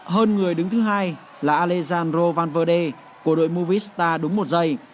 hơn người đứng thứ hai là alessandro valverde của đội movistar đúng một giây